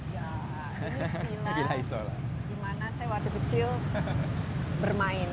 ya ini pila dimana saya waktu kecil bermain